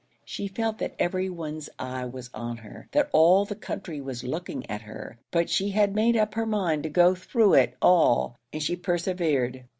She felt that every one's eye was on her; that all the country was looking at her; but she had made up her mind to go through it all, and she persevered.